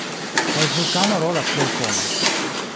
Kaj vulkano rolas kiel fono.